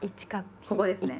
ここですね。